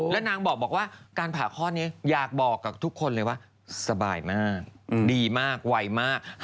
แล้วนางบอกว่าการผ่าข้อนี้อยากบอกกับทุกคนเลยว่าสบายมากดีมากไวมาก